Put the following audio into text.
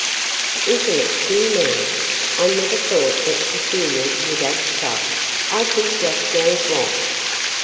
"Isn't it too mean? I never thought that Cecilia would act so. I think Jack knows why."